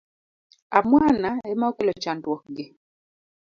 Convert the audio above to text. Amwana ema okelo chandruok gi.